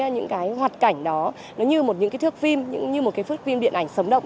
những hoạt cảnh đó như một thước phim như một phước phim điện ảnh sống động